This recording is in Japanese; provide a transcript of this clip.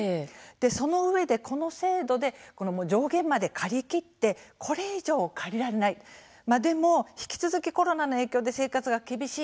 そのうえで、この制度で上限まで借り切ってこれ以上借りられないでも引き続きコロナの影響で生活が厳しい